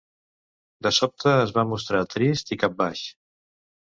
De sobte, es va mostrar trist i capbaix.